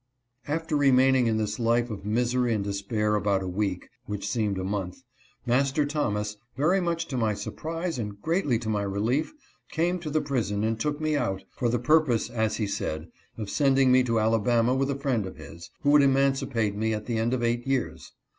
After remaining in this life of misery and despair about a week, which seemed a month, Master Thomas, very much to my surprise and greatly to my relief, came to the prison and took me out, for the purpose, as he said, of sending me to Alabama with a friend of his, who would emancipate me at the end of eight years.